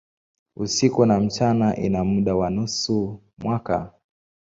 Usiku na mchana ina muda wa nusu mwaka.